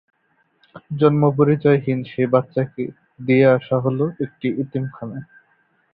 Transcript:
জন্ম-পরিচয়হীন সেই বাচ্চাকে দিয়ে আসা হল একটি এতিম খানায়।